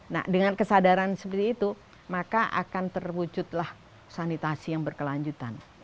nah dengan kesadaran seperti itu maka akan terwujudlah sanitasi yang berkelanjutan